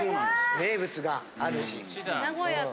名物があるし。